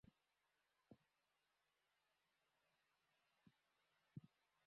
আপনি শীঘ্রই প্রতিটি বাস, রাস্তায় এবং বিমানে বোমা দেখতে পাবেন।